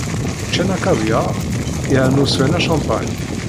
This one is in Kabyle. Ččan akavyaṛ yernu swan acampan.